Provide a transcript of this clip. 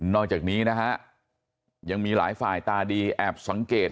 อกจากนี้นะฮะยังมีหลายฝ่ายตาดีแอบสังเกต